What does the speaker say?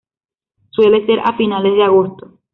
Suele ser a finales de agosto.